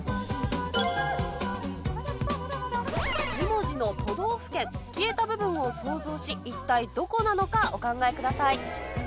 ２文字の都道府県消えた部分を想像し一体どこなのかお考えください。